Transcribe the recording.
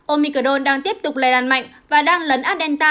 omicron đang tiếp tục lây đàn mạnh và đang lấn adelta